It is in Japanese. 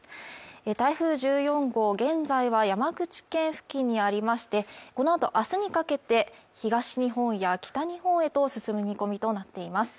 台風１４号現在は山口県付近にありましてこのあとあすにかけて東日本や北日本へと進む見込みとなっています